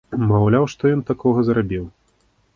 Маўляў, што ён такога зрабіў?